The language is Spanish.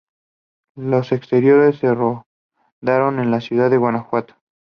Los exteriores se rodaron en la ciudad de Guanajuato.